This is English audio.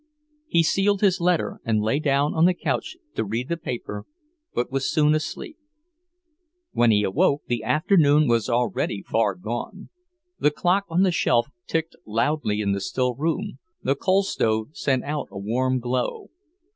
He sealed his letter and lay down on the couch to read the paper, but was soon asleep. When he awoke the afternoon was already far gone. The clock on the shelf ticked loudly in the still room, the coal stove sent out a warm glow.